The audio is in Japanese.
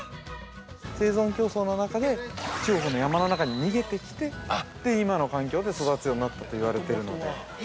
◆生存競争の中で中国の山の中に逃げてきて今の環境で育つようになったと言われているので。